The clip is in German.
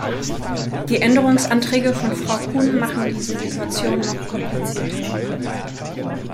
Die Änderungsanträge von Frau Kuhn machen diese Situation noch komplizierter.